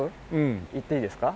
言っていいですか？